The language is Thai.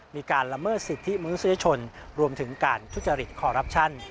มีการละเมิดสิทธิมนุษยชนรวมถึงการทุจริตคอรัปชั่น